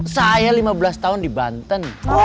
saya lima belas tahun di banten